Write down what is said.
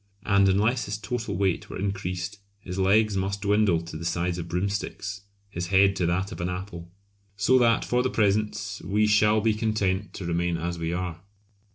And unless his total weight were increased his legs must dwindle to the size of broomsticks, his head to that of an apple! So that for the present we shall be content to remain as we are!